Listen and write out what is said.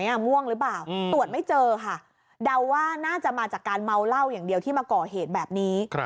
ม่วงหรือเปล่าตรวจไม่เจอค่ะเดาว่าน่าจะมาจากการเมาเหล้าอย่างเดียวที่มาก่อเหตุแบบนี้